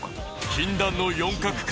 禁断の四角関係